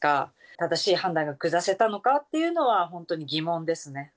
正しい判断が下せたのかっていうのは、本当に疑問ですね。